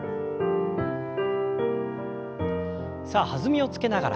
さあ弾みをつけながら。